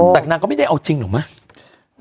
แต่นางก็ไม่ได้เอาจริงเหรอมั้ย